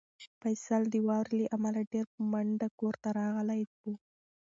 فیصل د واورې له امله ډېر په منډه کور ته راغلی و.